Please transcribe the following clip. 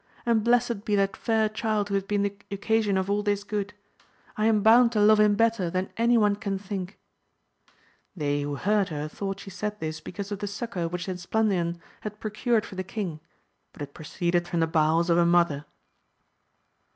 and blessed be that £Eyr child who hath been the occasion of all this good ; I am bound to love him better than any one can think I They who heard her thought she said this because of the succour which Esplandian had procured for the king, but it proceeded from the bowels of a mother.